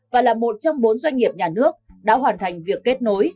và là một trong bốn doanh nghiệp nhà nước đã hoàn thành việc kết nối